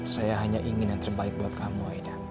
saya hanya ingin yang terbaik buat kamu